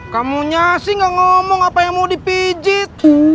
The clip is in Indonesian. kamu nyasi gak ngomong apa yang mau dipijit